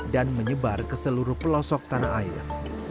dan menyebar ke seluruh pelosok tanah air